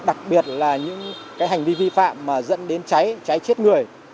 đặc biệt là những cái hành vi vi phạm mà dẫn đến cháy chết người